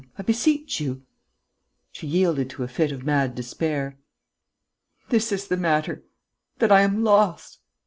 I beseech you ..." She yielded to a fit of mad despair: "This is the matter, that I am lost!...